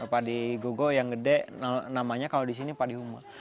padi gogo yang gede namanya kalau di sini padi huma